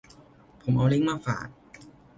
ผมเอาลิงค์มาฝาก